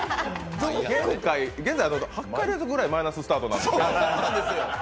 現在、８か月ぐらいマイナススタートなんですよ。